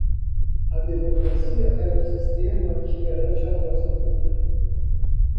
A democracia é o sistema que garante a voz do povo.